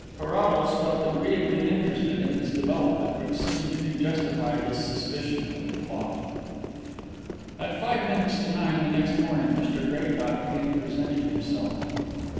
Carrados felt agreeably interested in this development, which seemed to justify his suspicion of a plot. At five minutes to nine the next morning Mr Draycott again presented himself.